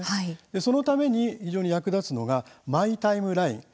そのために非常に役立つのがマイ・タイムライン。